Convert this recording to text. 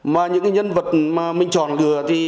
mà những nhân vật mà mình chọn lừa